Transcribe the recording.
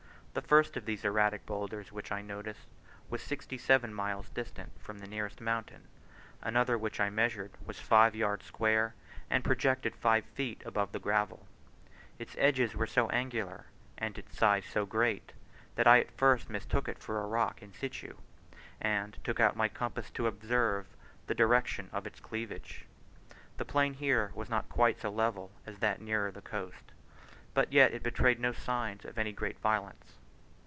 The first of these erratic boulders which I noticed, was sixty seven miles distant from the nearest mountain; another which I measured was five yards square, and projected five feet above the gravel. Its edges were so angular, and its size so great, that I at first mistook it for a rock in situ, and took out my compass to observe the direction of its cleavage. The plain here was not quite so level as that nearer the coast, but yet in betrayed no signs of any great violence.